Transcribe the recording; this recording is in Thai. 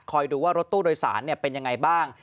คอยดูว่ารถตู้โดยสารเนี่ยเป็นยังไงบ้าง